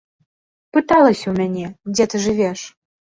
Пыталася ў мяне, дзе ты жывеш.